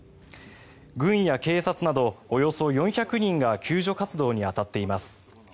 軍や警察などおよそ４００人が救助活動に当たっています。